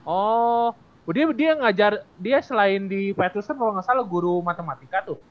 oh dia dia ngajar dia selain di petrusen kalo gak salah lo guru matematika tuh